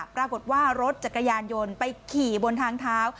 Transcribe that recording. ปรากฏว่ารถจักรยานยนต์ไปขี่บนทางเท้า